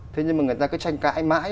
thế nhưng mà người ta cứ tranh cãi mãi